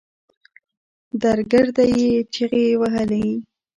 درګرده يې چيغې وهلې.